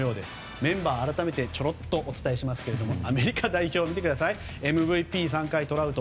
メンバーを改めてちょろっとお伝えしますがアメリカ代表ＭＶＰ３回のトラウト。